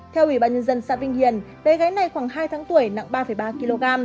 theo ủy ban nhân dân xã vinh hiền bé gái này khoảng hai tháng tuổi nặng ba ba kg